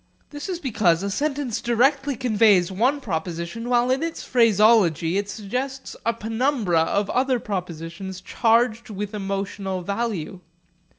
This is because a sentence directly conveys one proposition, while in its phraseology it suggests a penumbra of other propositions charged with emotional value.